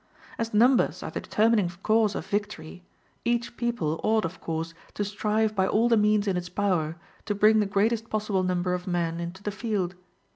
As numbers are the determining cause of victory, each people ought of course to strive by all the means in its power to bring the greatest possible number of men into the field.